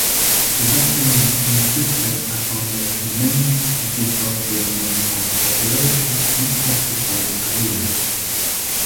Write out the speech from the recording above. The document insisted upon the humane, ethical treatment of populations in occupied areas.